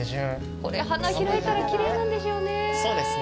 これ花開いたらきれいなんでしょうね。